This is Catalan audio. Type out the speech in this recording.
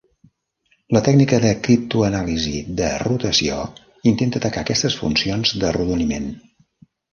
La tècnica de criptoanàlisi de rotació intenta atacar aquestes funcions d'arrodoniment.